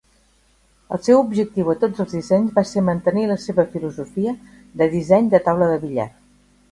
El seu objectiu a tots els seus dissenys va ser mantenir la seva filosofia de disseny de "taula de billar".